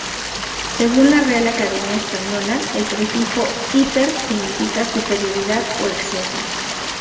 Según la Real Academia Española, el prefijo hiper significa "superioridad o exceso".